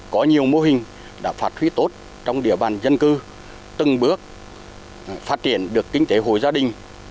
có nhiều mô hình đã phát huy tốt trong địa bàn dân cư từng bước phát triển được kinh tế hội gia đình